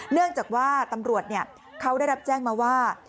เนื่องจากว่าตำรวจเขาได้รับแจ้งมาว่า